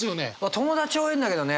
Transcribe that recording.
友達多いんだけどね